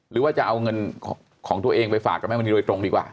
หรือว่าจะเอาเงินของตัวเองไปฝากกับแม่มณีโดยตรงดีกว่า